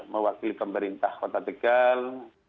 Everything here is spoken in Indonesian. mewakili pemerintah kota tegal